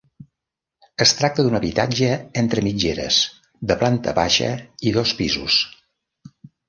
Es tracta d'un habitatge entre mitgeres de planta baixa i dos pisos.